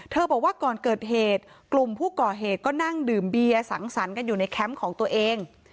บอกว่าก่อนเกิดเหตุกลุ่มผู้ก่อเหตุก็นั่งดื่มเบียร์สังสรรค์กันอยู่ในแคมป์ของตัวเอง